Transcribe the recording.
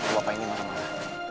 bapak ini mau ke mana